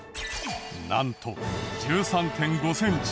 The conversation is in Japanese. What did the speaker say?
なんと１３．５センチ。